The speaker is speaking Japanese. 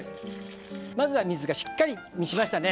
まずは水がしっかり満ちましたね。